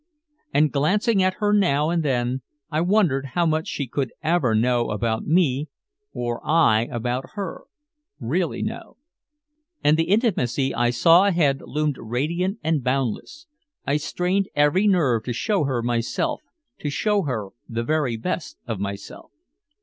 And, glancing at her now and then, I wondered how much she could ever know about me or I about her really know. And the intimacy I saw ahead loomed radiant and boundless. I strained every nerve to show her myself, to show her the very best of myself.